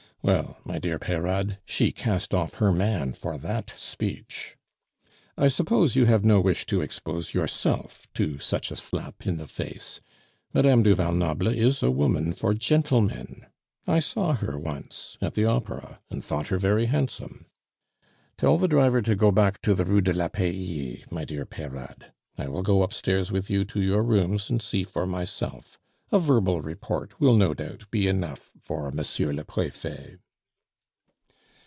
Well, my dear Peyrade, she cast off her man for that speech. "I suppose you have no wish to expose yourself to such a slap in the face. Madame du Val Noble is a woman for gentlemen. I saw her once at the opera, and thought her very handsome. "Tell the driver to go back to the Rue de la Paix, my dear Peyrade. I will go upstairs with you to your rooms and see for myself. A verbal report will no doubt be enough for Monsieur le Prefet."